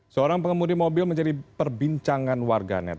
seorang pengemudi mobil menjadi perbincangan warganet